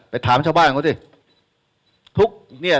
ไปถามเช้าบ้านเขาสิ